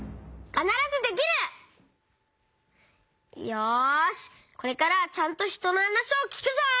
よしこれからはちゃんとひとのはなしをきくぞ！